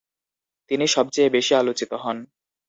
তিনি সবচেয়ে বেশি আলোচিত হন।